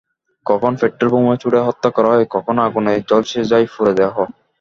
কখন পেট্রলবোমা ছুড়ে হত্যা করা হয়, কখন আগুনে ঝলসে যায় পুরো দেহ।